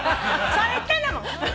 そう言ったんだもん。